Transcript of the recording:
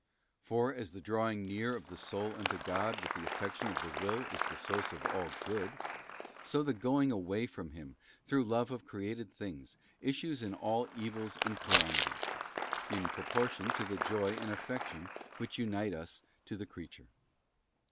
For, as the drawing near of the soul unto God with the affection of the will is the source of all good, so the going away from Him, through love of created things, issues in all evils and calamities, in proportion to the joy and affection which unite us to the creature.